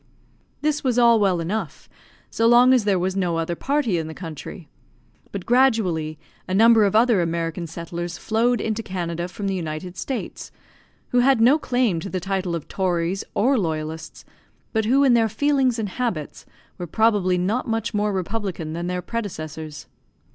This was all well enough so long as there was no other party in the country. But gradually a number of other American settlers flowed into Canada from the United States, who had no claim to the title of tories or loyalists, but who in their feelings and habits were probably not much more republican than their predecessors.